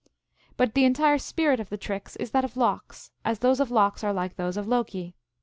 But the entire spirit of the tricks is that of Lox, as those of Lox are like those of Loki.